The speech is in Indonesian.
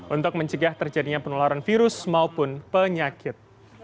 untuk mencegah terjadinya penularan virus maupun penyakit